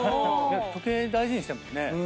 時計大事にしてるもんね。